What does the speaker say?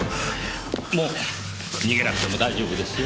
もう逃げなくても大丈夫ですよ。